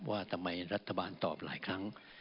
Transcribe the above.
ว่าทำไมรัฐบาลตอบหลายครั้ง